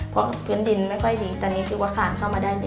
เพราะเพลงดินไม่ค่อยดีแต่นี่คือว่าขานเข้ามาได้เลย